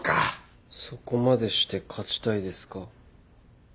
そこまでして勝ちたいですか？